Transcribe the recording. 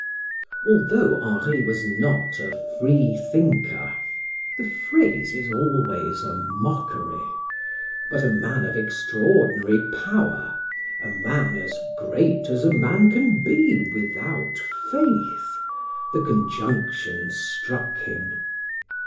Although Henri was not a free thinker the phrase is always a mockery but a man of extraordinary power, a man as great as a man can be without faith, the conjunction struck him.